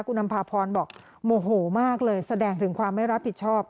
คุณอำภาพรบอกโมโหมากเลยแสดงถึงความไม่รับผิดชอบ